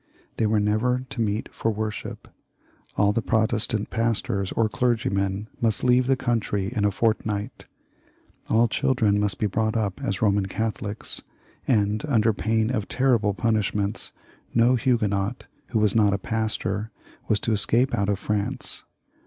They were never to meet for worship ; all the Protestant pastors or clergymen must leave the country in a fortnight ; all children must be brought up as Eoman Catholics, and, under pain of terrible punish ments, no Huguenot, who was not a pastor, was to escape out of France.